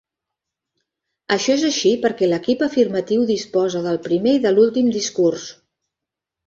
Això és així perquè l'equip afirmatiu disposa del primer i de l'últim discurs.